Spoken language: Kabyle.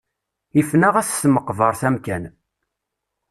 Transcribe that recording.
Ifen-aɣ at tmeqbeṛt amkan.